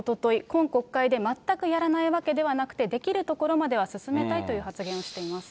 今国会で全くやらないわけではなくて、できるところまでは進めたいという発言をしています。